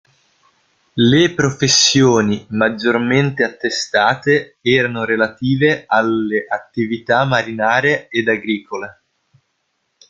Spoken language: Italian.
Le professioni maggiormente attestate erano relative alle attività marinare ed agricole.